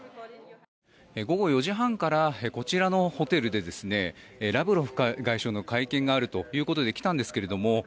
午後４時半からこちらのホテルでラブロフ外相の会見があるということで来たんですけれども。